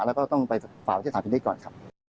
แล้วก็ต้องไปฝ่าวิทยาศาสนิทก่อนครับ